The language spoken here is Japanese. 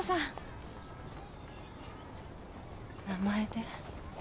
名前で？